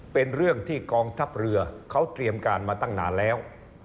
เป็นเรื่องที่กองทัพเรือเขาเตรียมการมาตั้งนานแล้ว